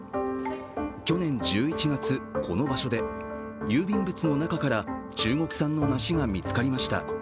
去年１１月、この場所で郵便物の中から中国産の梨が見つかりました。